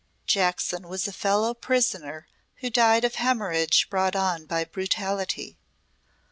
Jackson was a fellow prisoner who died of hemorrhage brought on by brutality.